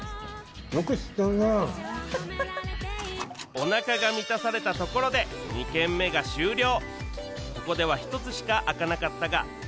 おなかが満たされたところでここでは１つしか開かなかったが